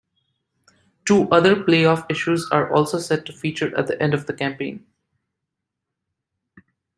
Two-other play-off issues are also set to feature at the end of the campaign.